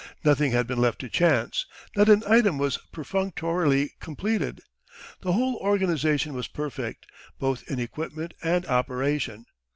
Nothing had been left to chance; not an item was perfunctorily completed. The whole organisation was perfect, both in equipment and operation.